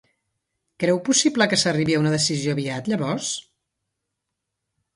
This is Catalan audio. Creu possible que s'arribi a una decisió aviat, llavors?